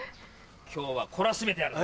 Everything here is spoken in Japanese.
今日は懲らしめてやる。